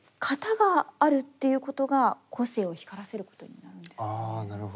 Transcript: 型があるということが個性を光らせることになるんですかね。